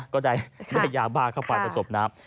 ก็ได้ยาบ้าเข้าไปประสบน้ำ